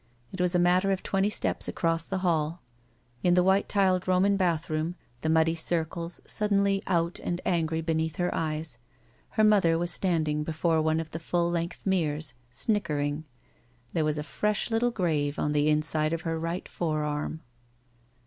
It was a matter of twenty steps across the hall. In the white tiled Roman bathroom, the muddy circles suddenly out and angry beneath her eyes, her mother was standing before one of the full length mirrors — snickering. There was a fresh little grave on the inside of her right forearm.